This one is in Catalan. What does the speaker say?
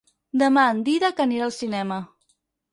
Demà en Dídac anirà al cinema.